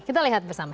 kita lihat bersama